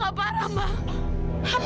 mas prabu kak